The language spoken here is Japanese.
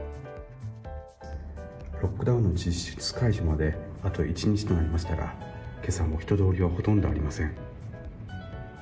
ロックダウンの実質解除まであと１日となりましたが今朝も人通りはほとんどありません。